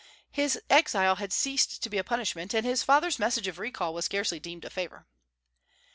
His exile had ceased to be a punishment, and his father's message of recall was scarcely deemed a favor.